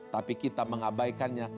tapi kita mengabaikannya